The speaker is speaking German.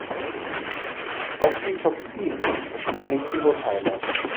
Oxytocin beschleunigt die Wundheilung.